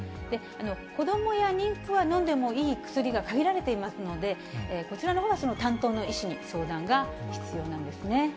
子どもや妊婦は飲んでもいい薬が限られていますので、こちらのほうは担当の医師に相談が必要なんですね。